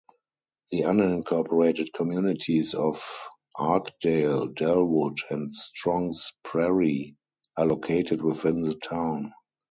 The unincorporated communities of Arkdale, Dellwood, and Strongs Prairie are located within the town.